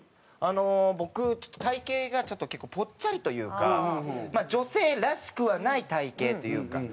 僕ちょっと体形が結構ぽっちゃりというか女性らしくはない体形というか。